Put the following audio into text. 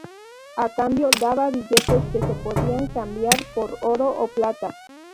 A cambio, daba billetes que se podían cambiar por oro o plata.